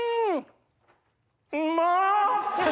うまっ！